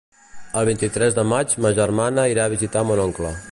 El vint-i-tres de maig ma germana irà a visitar mon oncle.